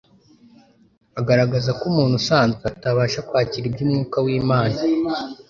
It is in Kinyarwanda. agaragaza ko ummtu usanzwe atabasha kwakira iby'Umwuka w'Imana.